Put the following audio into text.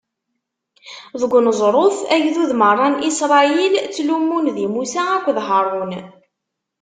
Deg uneẓruf, agdud meṛṛa n Isṛayil ttlummun di Musa akked Haṛun.